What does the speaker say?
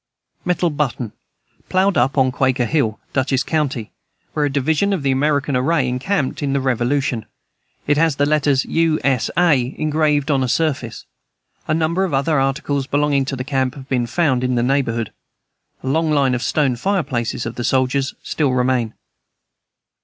Metal button, ploughed up on Quaker hill, Dutchess county, where a division of the American array encamped in the Revolution. It has the letters "U. S. A." raised on the surface. A number of other articles belonging to the camp have been found in the neighborhood. A long line of the stone fireplaces of the soldiers still remain.